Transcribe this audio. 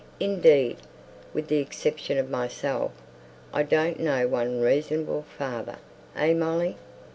Indeed, with the exception of myself, I don't know one reasonable father; eh, Molly?"